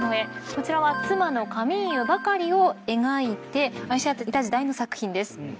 こちらは妻のカミーユばかりを描いて愛し合っていた時代の作品です。